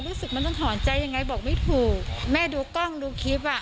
รู้สึกมันต้องถอนใจยังไงบอกไม่ถูกแม่ดูกล้องดูคลิปอ่ะ